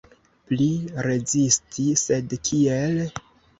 Pli rezisti, sed kiel?